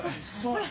ほら。